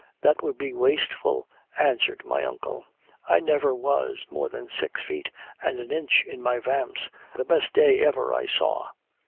'That would be wasteful,' answered my uncle; 'I never was more than six feet and an inch in my vamps, the best day ever I saw.'